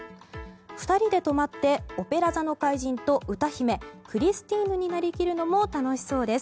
２人で泊まって「オペラ座の怪人」と歌姫クリスティーヌになりきるのも楽しそうです。